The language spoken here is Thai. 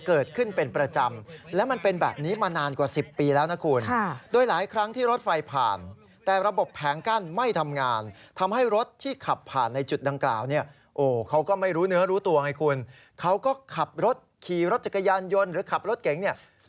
เขาก็ขับรถขี่รถจักรยานยนต์หรือขับรถเก่งเนี้ย